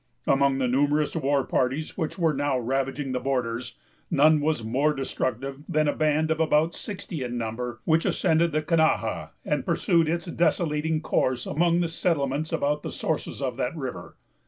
Among the numerous war parties which were now ravaging the borders, none was more destructive than a band, about sixty in number, which ascended the Kenawha, and pursued its desolating course among the settlements about the sources of that river.